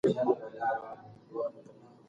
له نورو سره نیکي کول انسان ته سکون ورکوي.